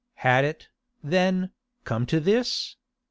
Had it, then, come to this?